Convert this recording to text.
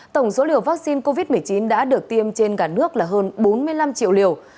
tổng số liều vaccine covid một mươi chín đã được tiêm trên cả nước là hơn bốn mươi năm triệu liều